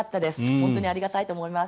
本当にありがたいと思います。